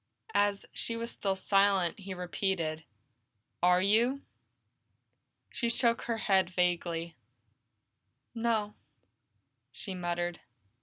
As she was still silent, he repeated, "Are you?" She shook her head vaguely. "No," she muttered.